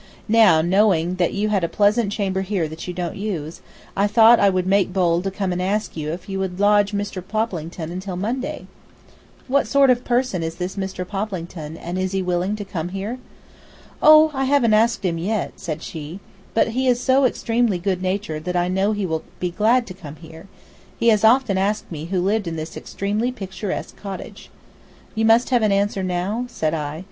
Now, knowing that you had a pleasant chamber here that you don't use, I thought I would make bold to come and ask you if you would lodge Mr. Poplington until Monday?" "What sort of a person is this Mr. Poplington, and is he willing to come here?" "Oh, I haven't asked him yet," said she, "but he is so extremely good natured that I know he will be glad to come here. He has often asked me who lived in this extremely picturesque cottage." "You must have an answer now?" said I.